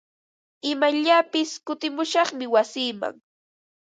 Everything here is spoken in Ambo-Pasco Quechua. Imayllapis kutimushaqmi wasiiman.